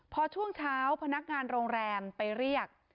พอช่วงเช้าพนักงานโรงแรมไปเรียก